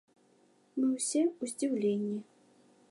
Мы ўсе ў здзіўленні.